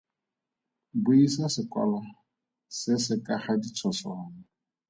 Buisa sekwalwa se se ka ga ditshoswane.